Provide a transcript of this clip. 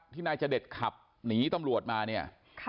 นายจเดชขับหนีตำรวจมาเนี่ย